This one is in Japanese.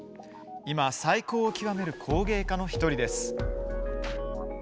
今、最高を極める工芸家の１人です。